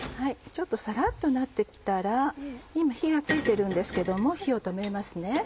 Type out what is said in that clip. ちょっとさらっとなって来たら今火がついてるんですけども火を止めますね。